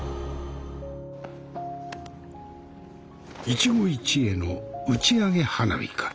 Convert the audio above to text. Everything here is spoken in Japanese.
一期一会の打ち上げ花火か。